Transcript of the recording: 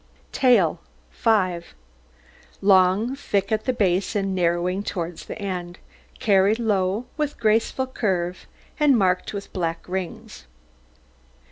TAIL 5 Long, thick at the base and narrowing towards the end, carried low, with graceful curve, and marked with black rings.